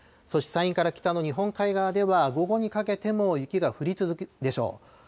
そして山陰から北の日本海側では、午後にかけても雪が降り続くでしょう。